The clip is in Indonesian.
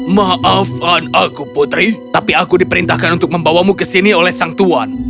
maafkan aku putri tapi aku diperintahkan untuk membawamu ke sini oleh sang tuan